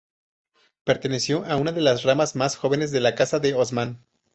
Perteneció a una de las ramas más jóvenes de la Casa de Osman.